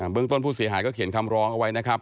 เรื่องต้นผู้เสียหายก็เขียนคำร้องเอาไว้นะครับ